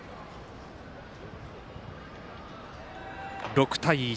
６対１。